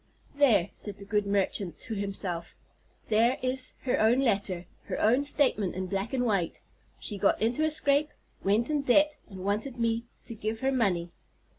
"There," said the good merchant to himself, "there is her own letter—her own statement in black and white. She got into a scrape, went in debt, and wanted me to give her money.